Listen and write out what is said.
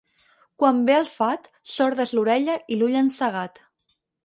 Quan ve el fat, sorda és l'orella i l'ull encegat.